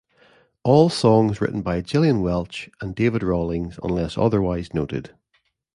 All songs written by Gillian Welch and David Rawlings unless otherwise noted.